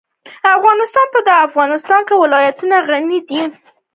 افغانستان په د افغانستان ولايتونه غني دی.